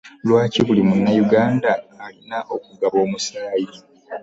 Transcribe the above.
Lwaki buli munnayuganda alina okugaba omusaayi?